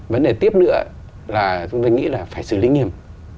vấn đề tiếp nữa là chúng tôi nghĩ là phải xử lý nghiêm